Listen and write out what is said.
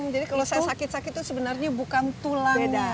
jadi kalau saya sakit sakit itu sebenarnya bukan tulang ya